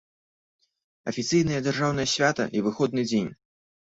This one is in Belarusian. Афіцыйнае дзяржаўнае свята і выходны дзень.